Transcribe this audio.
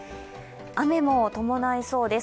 雨も伴いそうです。